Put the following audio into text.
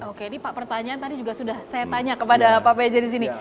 oke ini pak pertanyaan tadi juga sudah saya tanya kepada pak peja di sini